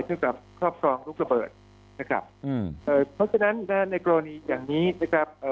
เท่ากับครอบครองลูกระเบิดนะครับเพราะฉะนั้นในกรณีอย่างนี้นะครับ